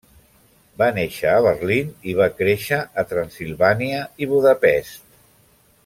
Va néixer a Berlín i va créixer a Transsilvània i Budapest.